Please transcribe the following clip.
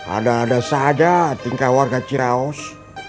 ada ada saja tingkah warga ciraos